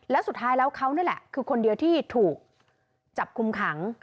แล้วสุดท้ายแล้วเขานี่แหละคือคนเดียวที่ถูกจับคุมขัง